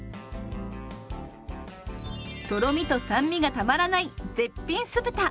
とろみと酸味がたまらない絶品酢豚！